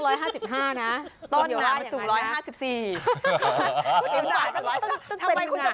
ต้นน้ำอย่างไรนะครับคุณครับก็เดี๋ยวว่ามันสูง๑๕๔